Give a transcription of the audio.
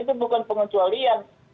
itu bukan pengutualian